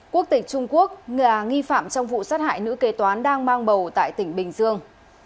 quốc tịch trung quốc nga nghi phạm trong vụ sát hại nữ kế toán đang mang bầu tại tỉnh bình dương